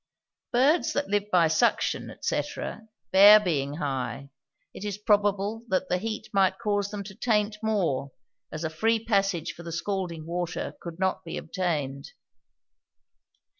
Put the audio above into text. Birds that live by suction, &c., bear being high: it is probable that the heat might cause them to taint more, as a free passage for the scalding water could not be obtained.